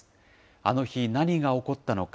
あの日、何が起こったのか。